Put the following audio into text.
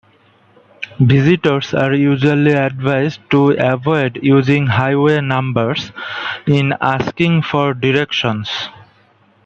Visitors are usually advised to avoid using highway numbers in asking for directions.